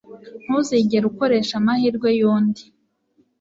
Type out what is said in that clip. Ntuzigere ukoresha amahirwe yundi.